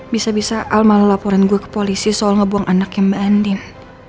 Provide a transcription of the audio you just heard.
bisa bisa al malah laporan gue ke polisi soal ngebuang anaknya mba endin